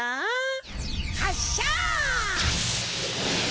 はっしゃ！